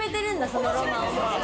そのロマンは。